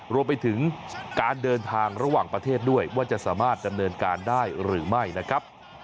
รวมไปถึงการเดินทางระหว่างประเทศด้วยว่าจะสามารถดำเนินการได้หรือไม่นะครับ